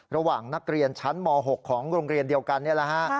ระหว่างนักเรียนชั้นม๖ของโรงเรียนเดียวกันนี่แหละฮะ